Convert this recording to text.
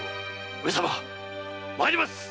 上様まいります！